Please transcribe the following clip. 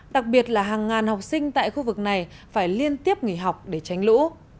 đặc biệt là hàng ngàn học sinh tại khu vực này phải liên tiếp nghỉ học để tránh lũ